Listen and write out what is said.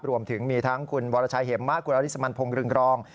รวมถึงมีทั้งคุณวรชัยเหมะคุณอริสมันพงศ์รึงรอง